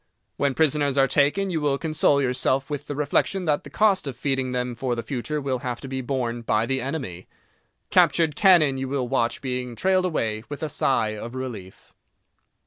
When prisoners are taken you will console yourself with the reflection that the cost of feeding them for the future will have to be borne by the enemy. Captured cannon you will watch being trailed away with a sigh of relief.